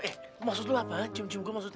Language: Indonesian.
eh maksud lo apa cium cium gue maksudnya